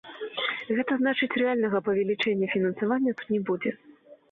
Гэта значыць, рэальнага павелічэння фінансавання тут не будзе.